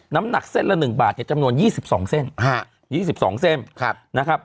น้ำหนักเส้นละ๑บาทเนี่ยจำนวน๒๒เส้น๒๒เส้นนะครับ